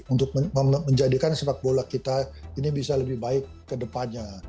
untuk menjadikan sepak bola kita ini bisa lebih baik ke depannya